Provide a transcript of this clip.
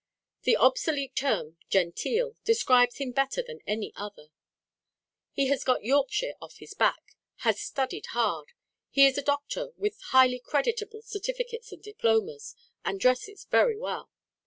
The obsolete term 'genteel' describes him better than any other. He has got Yorkshire off his back, has studied hard, he is a doctor with highly creditable certificates and diplomas, and dresses very well.